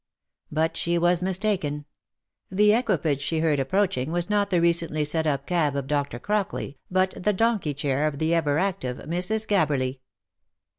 But she was mistaken ; the equipage she heard approaching was not the recently set up cab of Dr. Crockley, but the donkey chair of the ever active Mrs. Gabberly.